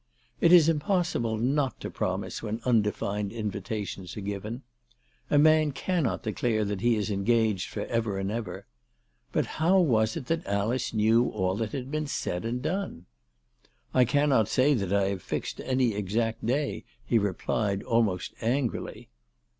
It is impos sible not to promise when undefined invitations are given. A man cannot declare that he is engaged for ever and ever. But how was it that Alice knew all that had been said and done? "I cannot say that I have fixed any exact day," he replied almost angrily.